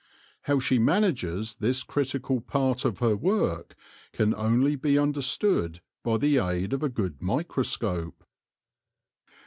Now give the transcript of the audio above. How she manages this critical part of her work can only be understood by the aid of a good microscope.